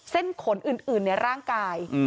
เส้นขนอื่นในร่างกาย